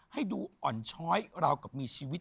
ให้ดูอ่อนช้อยราวกับมีชีวิต